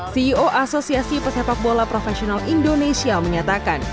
ceo asosiasi pesepak bola profesional indonesia menyatakan